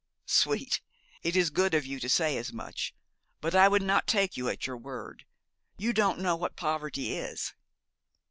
'Sweet! it is good of you to say as much, but I would not take you at your word. You don't know what poverty is.'